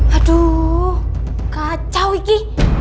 aduh kacau iki